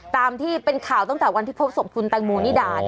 ตามที่เป็นข่าวตั้งแต่วันที่พบสมคุณแตงโมนี่ด่านี่นะฮะ